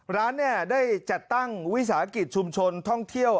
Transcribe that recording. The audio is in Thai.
ร้านได้จัดตั้งวิสาหกิจชุมชนท่องเที่ยว